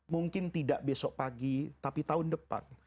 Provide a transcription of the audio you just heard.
mungkin tidak besok pagi tapi tahun depan